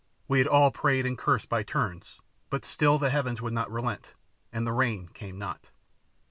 We had all prayed and cursed by turns, but still the heavens would not relent, and the rain came not.